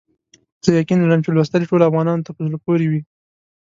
زه یقین لرم چې لوستل یې ټولو افغانانو ته په زړه پوري وي.